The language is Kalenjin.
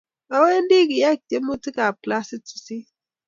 Awendi kiyai twemutik ab klasit sisit